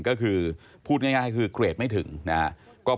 ก็คือพูดง่ายคือเกรดไม่ถึงนะครับ